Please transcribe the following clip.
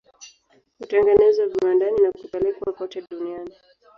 Hutengenezwa viwandani na kupelekwa kote duniani.